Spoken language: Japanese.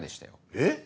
えっ？